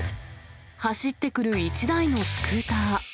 走ってくる１台のスクーター。